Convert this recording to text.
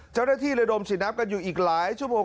เจ้าหน้าที่ระดมสินับกัดอยู่อีกหลายชั่วโมง